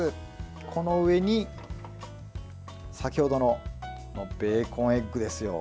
この上に先程のベーコンエッグですよ。